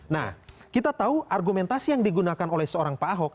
nah kita tahu argumentasi yang digunakan oleh seorang pak ahok